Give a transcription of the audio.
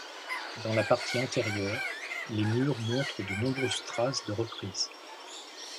Dans la partie antérieure, les murs montrent de nombreuses traces de reprises.